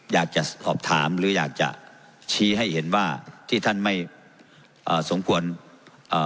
อยากจะสอบถามหรืออยากจะชี้ให้เห็นว่าที่ท่านไม่เอ่อสมควรเอ่อ